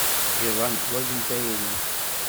Iḍan ḥwajen tayri.